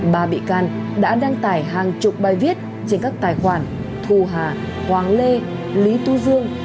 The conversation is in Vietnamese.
ba bị can đã đăng tải hàng chục bài viết trên các tài khoản thù hà hoàng lê lý tú dương